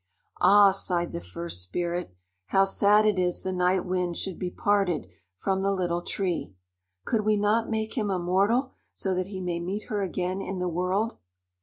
"Ah," sighed the first Spirit. "How sad it is the Night Wind should be parted from the Little Tree. Could we not make him a mortal, so that he may meet her again in the world?"